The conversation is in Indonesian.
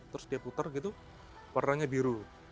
terus dia puter gitu warnanya biru